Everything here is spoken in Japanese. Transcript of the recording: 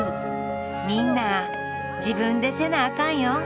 「みんな自分でせなあかんよ」。